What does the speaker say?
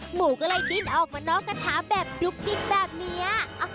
หมูก็เลยดิ้นออกมานอกกระทะแบบดุ๊กดิ๊กแบบนี้